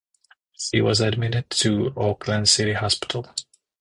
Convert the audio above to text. She was admitted to Auckland City Hospital.